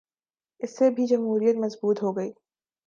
اس سے بھی جمہوریت مضبوط ہو گی۔